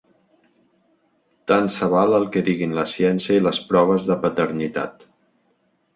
Tant se val el que diguin la ciència i les proves de paternitat.